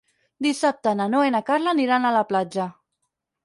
Dissabte na Noa i na Carla aniran a la platja.